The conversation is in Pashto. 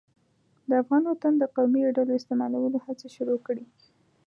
د افغان وطن د قومي ډلو استعمالولو هڅې شروع کړې.